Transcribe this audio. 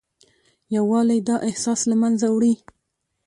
یووالی دا احساس له منځه وړي.